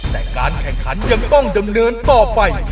แต่การแข่งขันยังต้องดำเนินต่อไป